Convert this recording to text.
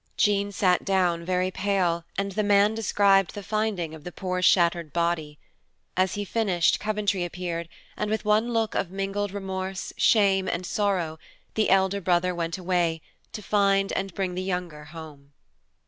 Jean sat down, very pale, and the man described the finding of the poor shattered body. As he finished, Coventry appeared, and with one look of mingled remorse, shame, and sorrow, the elder brother went away, to find and bring the younger home.